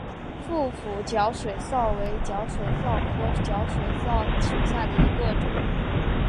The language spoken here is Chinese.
腹斧角水蚤为角水蚤科角水蚤属下的一个种。